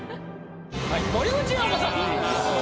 森口瑤子さん。